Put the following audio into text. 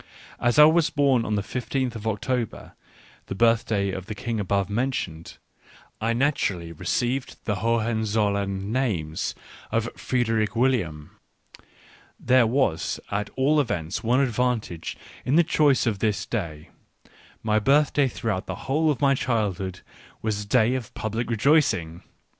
As I was born on the 1 5 th of October, the birthday of the king above mentioned, I naturally received the Hohenzollern names of Frederick William. There was at all events one advantage in the choice of this day : my birthday throughout the whole of my childhood was a day of public rejoicing.